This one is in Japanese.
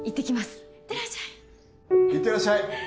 （朝子いってらっしゃい。